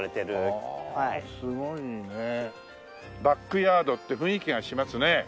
バックヤードって雰囲気がしますね。